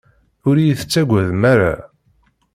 Ur iyi-tettagadem ara.